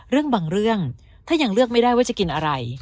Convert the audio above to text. เรื่องบางเรื่องถ้ายังเลือกไม่ได้ว่าจะกินอะไร